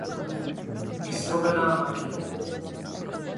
Vyslovená magie!